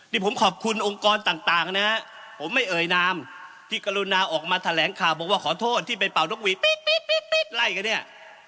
นี่ผมขอบคุณองค์กรต่างนะฮะผมไม่เอ่ยนามที่กรุณาออกมาแถลงข่าวบอกว่าขอโทษที่ไปเป่านกหวีดปี๊ดไล่กันเนี่ย